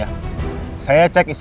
oke satu dalam sad requests ya